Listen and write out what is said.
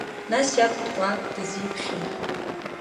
Нас иаб Ткәа дызиԥхьеи?